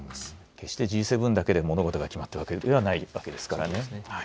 決してＧ７だけで物事が決まっているわけではないわけですからね。